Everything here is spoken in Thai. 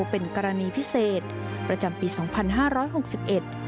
เป็นกรณีพิเศษประจำปีสองพันห้าร้อยหกสิบเอ็ด